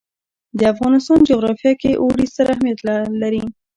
د افغانستان جغرافیه کې اوړي ستر اهمیت لري.